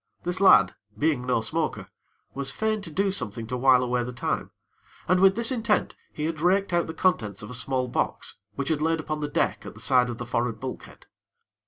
This lad, being no smoker, was fain to do something to while away the time, and with this intent, he had raked out the contents of a small box, which had lain upon the deck at the side of the forrard bulkhead.